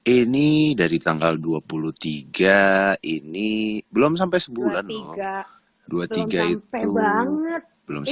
ini dari tanggal dua puluh tiga ini belum sampai sebulan loh dua puluh tiga itu belum